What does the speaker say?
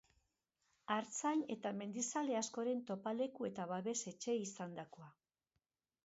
Artzain eta mendizale askoren topaleku eta babes-etxe izandakoa.